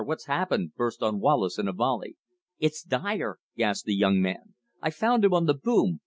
"What's happened?" burst on Wallace in a volley. "It's Dyer," gasped the young man. "I found him on the boom!